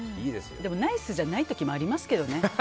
でも、ナイスじゃない時もありますけどね。